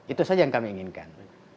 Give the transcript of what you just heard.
itu saja yang kami inginkan